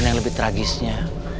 dan yang lebih tragisnya